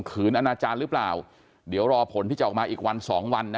นอนอนาจารย์หรือเปล่าเดี๋ยวรอผลที่จะออกมาอีกวันสองวันนะ